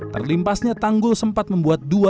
terlimpasnya tanggul sempat membuat dua